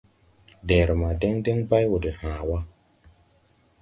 Deere ma dɛŋ dɛŋ bay wo de haa wa.